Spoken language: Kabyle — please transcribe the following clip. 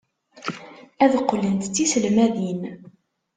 Ad qqlent d tiselmadin.